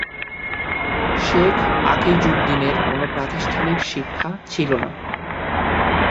শেখ আকিজউদ্দীনের কোনো প্রাতিষ্ঠানিক শিক্ষা ছিলনা।